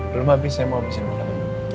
belum habis saya mau habisin makanan dulu